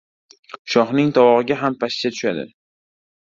• Shohning tovog‘iga ham pashsha tushadi.